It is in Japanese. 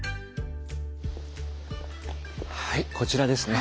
はいこちらですね。